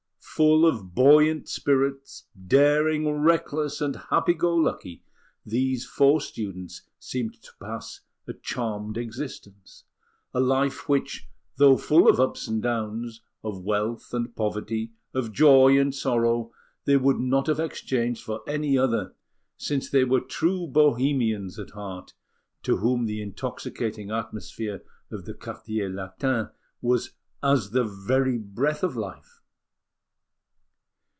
Full of buoyant spirits, daring, reckless, and happy go lucky, these four students seemed to pass a charmed existence; a life which, though full of ups and downs, of wealth and poverty, of joy and sorrow, they would not have exchanged for any other, since they were true Bohemians at heart, to whom the intoxicating atmosphere of the Quartier Latin was as the very breath of life.